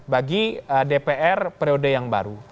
bagi dpr periode yang baru